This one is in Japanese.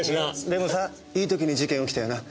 でもさいい時に事件起きたよな。